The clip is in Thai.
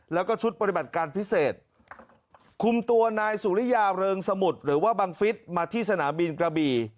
แล้วก็ชุดปฏิบัติการพิเศษคุมตัวนายสุริยาเริงสมุทรหรือว่าบังฟิศมาที่สนามบินกระบี่